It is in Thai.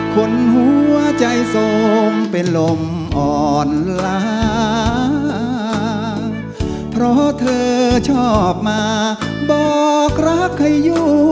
คนหัวใจทรงก็ล้มหมดแรงเพราะคนชื่อแดงหลบลีนีนาเธอทิ้งที่เลยไม่เคยคืนมาอยากรู้หนักหน้าไปร้ายหรือรู้